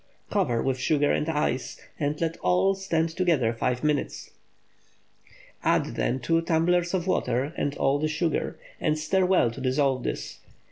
Cover with sugar and ice, and let all stand together five minutes. Add then two tumblers of water and all the sugar, and stir well to dissolve this.